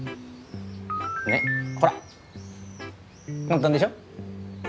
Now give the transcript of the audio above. ねっほら簡単でしょ。